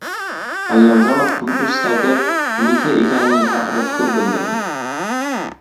Allamjonov "Kun.uz" sayti uniki ekanligi" haqida fikr bildirdi